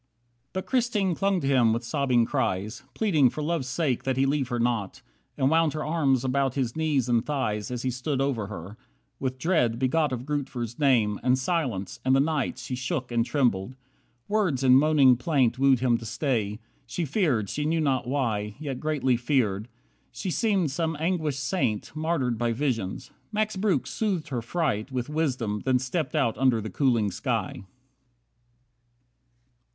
44 But Christine clung to him with sobbing cries, Pleading for love's sake that he leave her not. And wound her arms about his knees and thighs As he stood over her. With dread, begot Of Grootver's name, and silence, and the night, She shook and trembled. Words in moaning plaint Wooed him to stay. She feared, she knew not why, Yet greatly feared. She seemed some anguished saint Martyred by visions. Max Breuck soothed her fright With wisdom, then stepped out under the cooling sky.